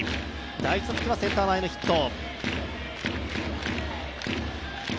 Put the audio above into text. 第１打席はセンター前のヒット。